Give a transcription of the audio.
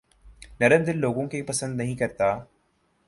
نرم دل لوگوں کے پسند نہیں کرتا